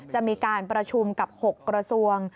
จะมีการประชุมกับ๖กระทรวง